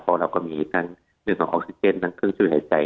เพราะเราก็มีทั้งเรื่องของออกซิเจนทั้งเครื่องช่วยหายใจ